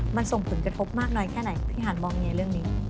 มันส่งผลกระทบมากน้อยแค่ไหนพี่หันมองยังไงเรื่องนี้